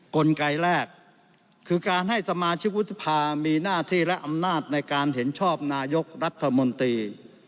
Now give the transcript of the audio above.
กลไกแรกคือการให้สมาชิกวุฒิภามีหน้าที่และอำนาจในการเห็นชอบนายกรัฐมนตรี